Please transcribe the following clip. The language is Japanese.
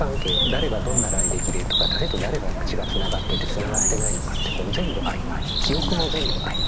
誰がどんな来歴でとか誰と誰が血がつながっててつながってないのかって全部曖昧記憶も全部曖昧。